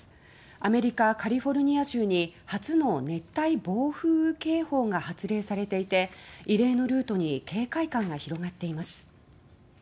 アメリカ・カリフォルニア州に初の熱帯暴風警報が発令されていて異例のルートに警戒感が広がっています。